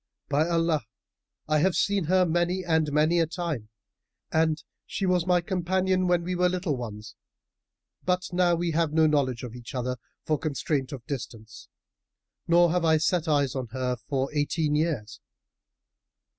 By Allah, I have seen her many and many a time and she was my companion, when we were little ones; but now we have no knowledge of each other, for constraint of distance; nor have I set eyes on her for eighteen years.